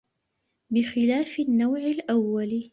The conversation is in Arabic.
بِخِلَافِ النَّوْعِ الْأَوَّلِ